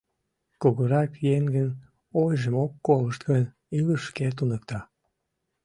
— Кугурак еҥын ойжым ок колышт гын, илыш шке туныкта.